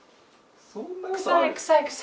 臭い臭い臭い。